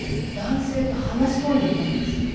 男性と話し込んでいたんです。